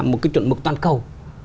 một cái chuẩn mực toàn cầu